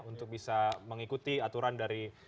untuk bisa mengikuti aturan dari